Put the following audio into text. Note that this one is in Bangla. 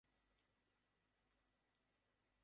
তুমি বিয়ের পর একবার ফোনও দেওনি আমাকে।